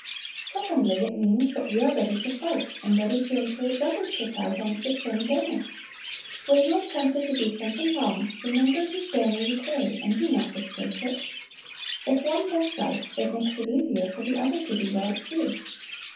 Secondly, it means that we are ready to fight, and ready to encourage others to fight under the same banner. When you are tempted to do something wrong remember whose banner you carry, and do not disgrace it. If one does right, it makes it easier for the other to do right too.